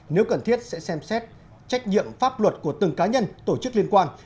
nếu cần thiết sẽ xem xét trách nhiệm pháp luật của từng cá nhân tổ chức liên quan